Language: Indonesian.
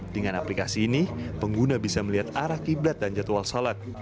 dengan aplikasi ini pengguna bisa melihat arah qiblat dan jadwal sholat